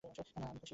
না, আমি খুশি!